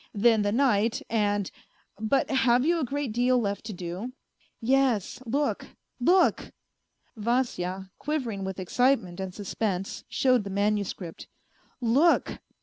... Then the night and but have you a great deal left to do ?"" Yes, look, look !" Vasya, quivering with excitement and suspense, showed the manuscript :" Look